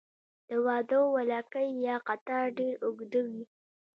د واده ولکۍ یا قطار ډیر اوږد وي.